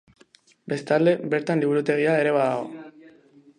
Bestalde, bertan liburutegia ere badago.